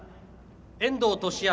遠藤利明